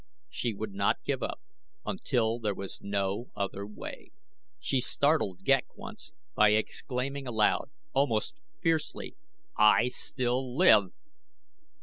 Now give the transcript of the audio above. She would not give up until there was no other way. She startled Ghek once by exclaiming aloud, almost fiercely: "I still live!"